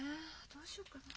どうしよっかな。